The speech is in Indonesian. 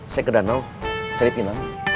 saya ke danau cari pinang